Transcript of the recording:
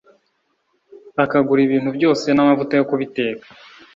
bakagura ibintu byose n’amavuta yo kubiteka